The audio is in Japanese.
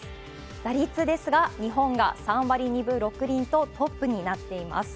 打率ですが、日本が３割２分６厘と、トップになっています。